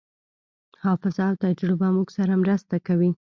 حافظه او تجربه موږ سره مرسته کوي.